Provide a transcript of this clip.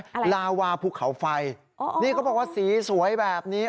อะไรลาวาภูเขาไฟนี่ก็บอกว่าสีสวยแบบนี้